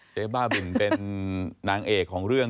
บ้าบินเป็นนางเอกของเรื่อง